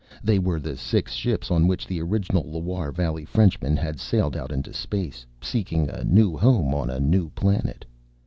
They were the six ships on which the original Loire Valley Frenchmen had sailed out into space, seeking a home on a new planet.